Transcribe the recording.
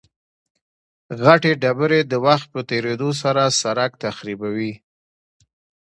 غټې ډبرې د وخت په تېرېدو سره سرک تخریبوي